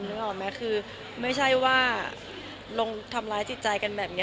นึกออกไหมคือไม่ใช่ว่าลงทำร้ายจิตใจกันแบบนี้